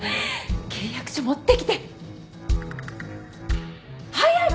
契約書持ってきて！早く！